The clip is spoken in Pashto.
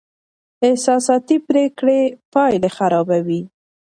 احساساتي پرېکړې پایلې خرابوي.